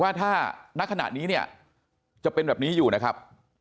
ว่าถ้าณขณะนี้เนี่ยจะเป็นแบบนี้อยู่นะครับ